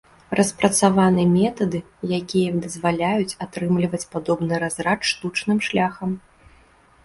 Распрацаваны метады, якія дазваляюць атрымліваць падобны разрад штучным шляхам.